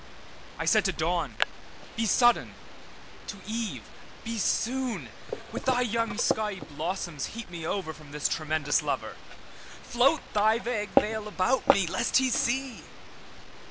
I said to Dawn: Be sudden—to Eve: Be soon; With thy young skiey blossoms heap me overFrom this tremendous Lover—Float thy vague veil about me, lest He see!